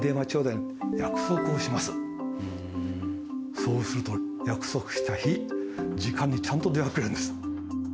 そうすると、約束した日の時間にちゃんと電話が来るんです。